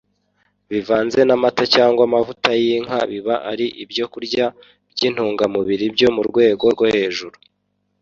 bivanze n'amata cyangwa amavuta y'inka, biba ari ibyokurya by'intungamubiri byo mu rwego rwo hejuru